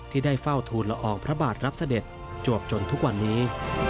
ที่ได้เฝ้าทูลละอองพระบาทรับเสด็จจวบจนทุกวันนี้